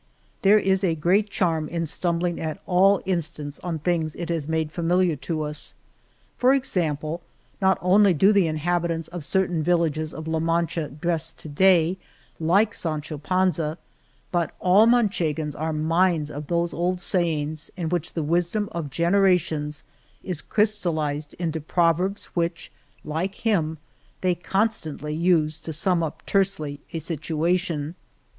There is a great charm in stumbling at all instants on things it has made familiar to us. For ex ample, not only do the inhabitants of certain villages of La Mancha dress to day like Sancho Panza, but all Manchegans are mines of those old sayings in which the wisdom of generations is crystallized into proverbs which, like him, they constantly use to sum up tersely a situation.